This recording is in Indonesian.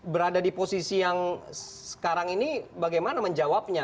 berada di posisi yang sekarang ini bagaimana menjawabnya